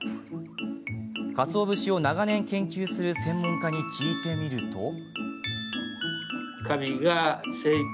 かつお節を長年研究する専門家に聞いてみると。